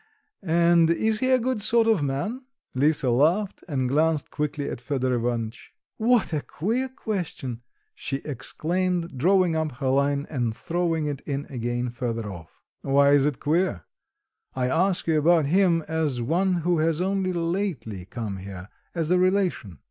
And is he a good sort of man?" Lisa laughed and glanced quickly at Fedor Ivanitch. "What a queer question!" she exclaimed, drawing up her line and throwing it in again further off. "Why is it queer? I ask you about him, as one who has only lately come here, as a relation."